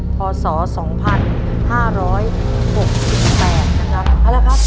พศ๒๕๖๘นะครับ